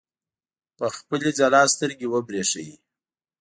په خپلې ځلا سترګې وبرېښوي.